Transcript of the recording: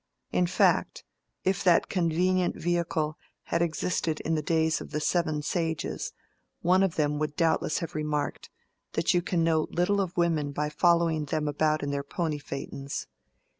In fact, if that convenient vehicle had existed in the days of the Seven Sages, one of them would doubtless have remarked, that you can know little of women by following them about in their pony phaetons.